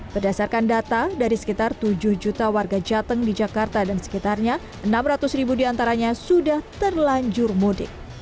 berdasarkan data dari sekitar tujuh juta warga jateng di jakarta dan sekitarnya enam ratus ribu diantaranya sudah terlanjur mudik